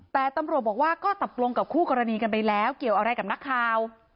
แต่ตำรวจบอกว่าก็ตกลงกับคู่กรณีกันไปแล้วเกี่ยวอะไรกับนักข่าว